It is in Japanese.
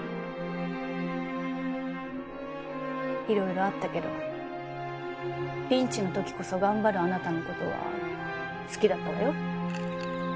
色々あったけどピンチの時こそ頑張るあなたのことは好きだったわよ